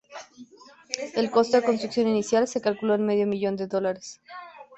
El costo de construcción inicial se calculó en medio millón de dólares.